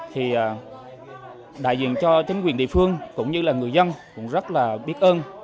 thì đại diện cho chính quyền địa phương cũng như là người dân cũng rất là biết ơn